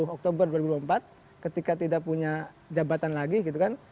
dua puluh oktober dua ribu dua puluh empat ketika tidak punya jabatan lagi gitu kan